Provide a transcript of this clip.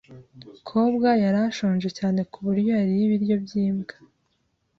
Kobwa yari ashonje cyane ku buryo yariye ibiryo by'imbwa.